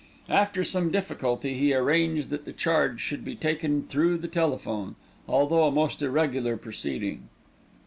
After some difficulty he arranged that the charge should be taken through the telephone, although a most irregular proceeding.